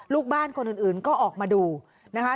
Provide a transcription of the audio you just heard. ลูกบ้านคนอื่นก็ออกมาดูนะคะ